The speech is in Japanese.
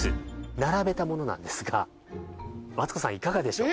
並べたものなんですがマツコさんいかがでしょうか？